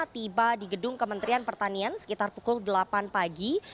tiba di gedung kementerian pertanian sekitar pukul delapan pagi